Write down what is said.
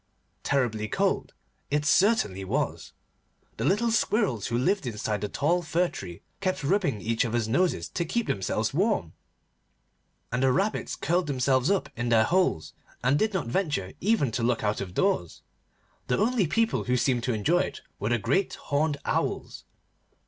Terribly cold it certainly was. The little Squirrels, who lived inside the tall fir tree, kept rubbing each other's noses to keep themselves warm, and the Rabbits curled themselves up in their holes, and did not venture even to look out of doors. The only people who seemed to enjoy it were the great horned Owls.